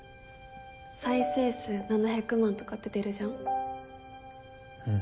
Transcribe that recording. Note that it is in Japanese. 再生数７００万とかって出るじゃんうん